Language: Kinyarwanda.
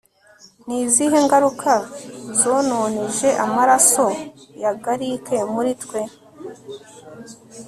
Ni izihe ngaruka zononeje amaraso ya Gallic muri twe